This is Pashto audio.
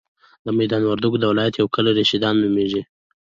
د ميدان وردګو ولایت یو کلی رشیدان نوميږي.